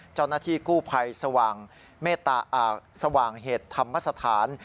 เจ้าหน้าที่กู้ภัยสว่างสว่างเหตุธรรมสถาน